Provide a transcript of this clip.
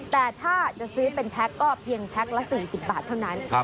แต่ถ้าจะซื้อเป็นแพ็คก็เพียงแพ็คละ๔๐บาทเท่านั้น